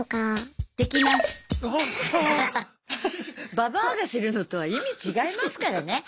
ババアがするのとは意味違いますからね。